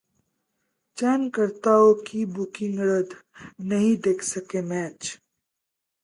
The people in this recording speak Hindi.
चयनकर्ताओं की बुकिंग रद्द, नहीं देख सके मैच